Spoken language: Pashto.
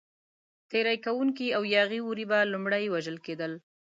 تېري کوونکي او یاغي وري به لومړی وژل کېدل.